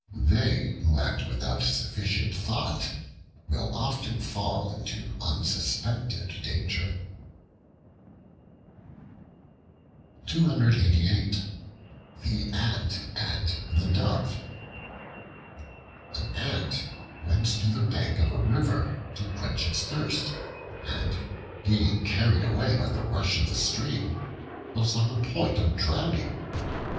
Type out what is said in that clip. They who act without sufficient thought, will often fall into unsuspected danger. The Ant and the Dove AN ANT went to the bank of a river to quench its thirst, and being carried away by the rush of the stream, was on the point of drowning.